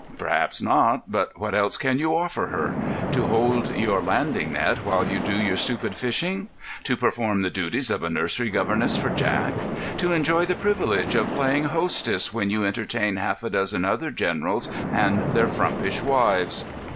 "Perhaps not. But what else can you offer her? To hold your landing net while you do your stupid fishing; to perform the duties of a nursery governess for Jack; to enjoy the privilege of playing hostess when you entertain half a dozen other generals and their frumpish wives."